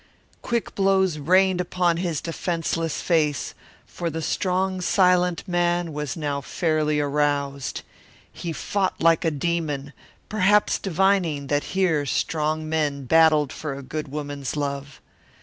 Quick blows rained upon his defenseless face, for the strong, silent man was now fairly aroused. He fought like a demon, perhaps divining that here strong men battled for a good woman's love.